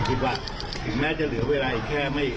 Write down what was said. ถึงแม้จะเหลือเวลาอีกแค่ไม่